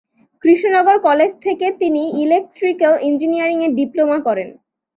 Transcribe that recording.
Krishnanagar college থেকে তিনি electrical ইঞ্জিনিয়ারিংয়ে ডিপ্লোমা করেন।